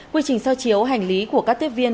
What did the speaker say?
quy trình so chiếu hành lý của các tiếp viên